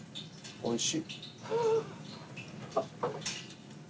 おいしい。